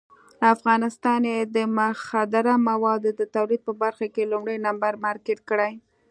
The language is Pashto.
افغانستان یې د مخدره موادو د تولید په برخه کې لومړی نمبر مارکېټ کړی.